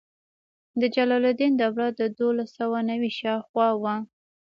د جلال الدین دوره د دولس سوه نوي شاوخوا وه.